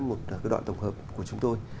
một đoạn tổng hợp của chúng tôi